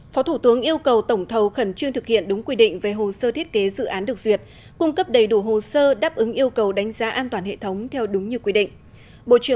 phó thủ tướng yêu cầu tổng thầu khẩn trương thực hiện đúng quy định về hồ sơ thiết kế dự án được duyệt cung cấp đầy đủ hồ sơ đáp ứng yêu cầu đánh giá an toàn hệ thống theo đúng như quy định